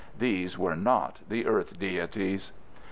These were not the earth deities.